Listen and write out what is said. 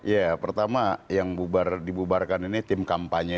ya pertama yang dibubarkan ini tim kampanye